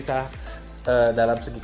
dan untuk kemungkinan